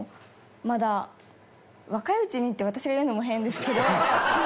まだ若いうちにって私が言うのも変ですけど。